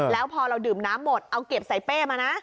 แล้วพอเราดื่มน้ำหมดเอาเก็บใส่เป้มานะ